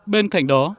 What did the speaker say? bên cạnh đó